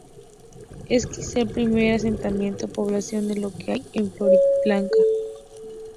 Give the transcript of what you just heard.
Es quizá el primer asentamiento poblacional de lo que hoy es Floridablanca.